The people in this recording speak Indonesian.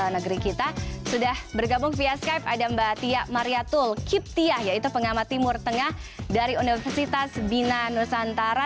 nah ini juga sudah bergabung via skype ada mbak tia mariatul kip tia yaitu pengamat timur tengah dari universitas bina nusantara